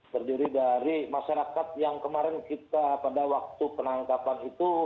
terdiri dari masyarakat yang kemarin kita pada waktu penangkapan itu